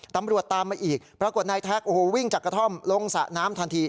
ตามมาอีกปรากฏนายแท็กโอ้โหวิ่งจากกระท่อมลงสระน้ำทันที